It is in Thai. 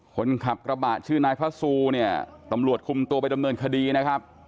คนขับกระบะชื่อนายพระซูเนี่ยตำรวจคุมตัวไปดำเนินคดีนะครับ